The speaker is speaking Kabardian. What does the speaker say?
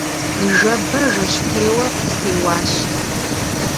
Ныжэбэ жэщтеуэ къыстеуащ.